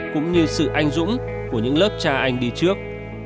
cũng như sự anh dũng của những lớp cha anh đi trước